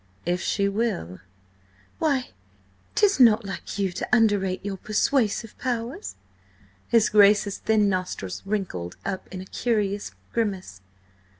"If she will." "Why, 'tis not like you to underrate your persuasive powers!" His Grace's thin nostrils wrinkled up in a curious grimace.